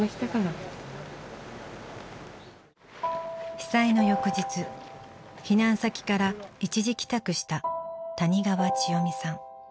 被災の翌日避難先から一時帰宅した谷川千代美さん。